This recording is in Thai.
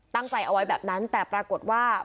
ตั้งใจเอาไว้แบบนั้นแต่ปรากฏว่า